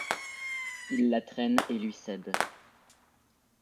Il la traîne et lui cède.